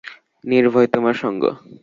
নির্ভয় তোমার সঙ্গ।